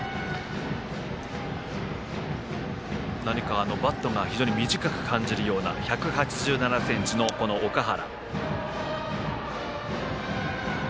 何かバットが非常に短く感じるような１８７ｃｍの岳原。